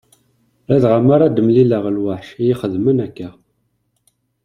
Ladɣa mi ara d-mlileɣ lweḥc iyi-xedmen akka.